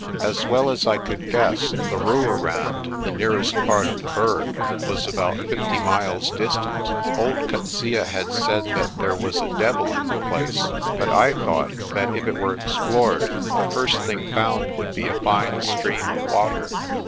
As well as I could guess, the Rooirand, the nearest part of the Berg, was about fifty miles distant. Old Coetzee had said that there was a devil in the place, but I thought that if it were explored the first thing found would be a fine stream of water.